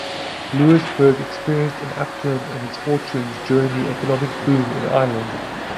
Louisburgh experienced an upturn in its fortunes during the economic boom in Ireland.